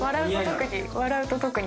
笑うと特に。